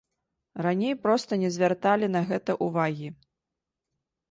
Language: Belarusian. Раней проста не звярталі на гэта ўвагі.